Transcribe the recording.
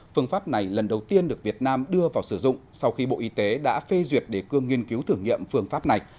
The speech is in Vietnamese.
phương pháp này lần đầu tiên được việt nam đưa vào sử dụng sau khi bộ y tế đã phê duyệt đề cương nghiên cứu thử nghiệm phương pháp này